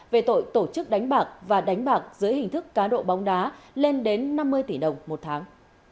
về tội tổ chức đánh bạc và đánh bạc dưới hình thức cá độ bóng đá lên đến năm mươi tỷ đồng một tháng